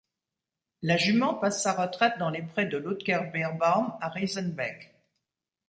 La jument passe sa retraite dans les prés de Ludger Beerbaum à Riesenbeck.